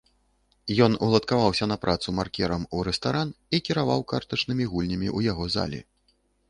Ён уладкаваўся на працу маркерам у рэстаран і кіраваў картачнымі гульнямі ў яго залі.